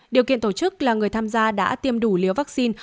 điều kiện tổ chức là người tham gia đã tiêm đủ liều vaccine